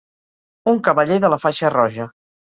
Un cavaller de la faixa roja.